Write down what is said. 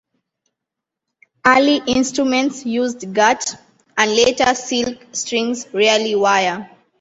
Early instruments used gut, and latter silk strings; rarely wire.